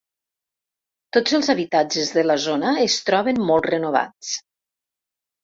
Tots els habitatges de la zona es troben molt renovats.